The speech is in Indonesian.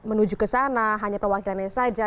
unjuk ke sana hanya perwakilan ini saja